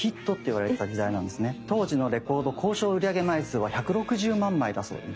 当時のレコード公称売り上げ枚数は１６０万枚だそうで。